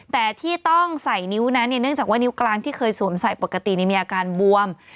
แต่ที่ต้องใส่นิ้วนั้นเนี่ยเนื่องจากว่านิ้วกลางที่เคยสวมใส่ปกติมีอาการบวม